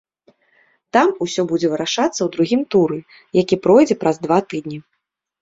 Там усё будзе вырашацца ў другім туры, які пройдзе праз два тыдні.